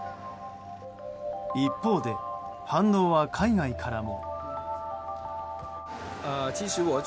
一方で、反応は海外からも。